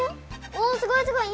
おすごいすごい！